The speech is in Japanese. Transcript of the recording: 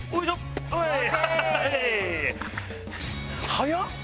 早っ！